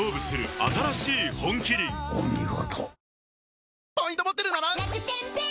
お見事。